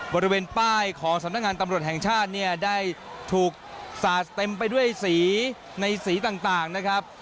บริเวณป้ายของสำนักงานตำรวจแห่งชาติเนี่ยได้ถูกสาดเต็มไปด้วยสีในสีต่างนะครับ